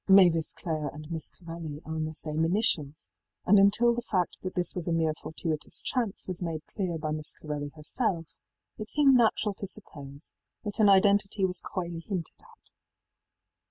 ëMavis Clareí and Marie Corelli own the same initials, and until the fact that this was a mere fortuitous chance was made clear by Miss Corelli herself it seemed natural to suppose that an identity was coyly hinted at.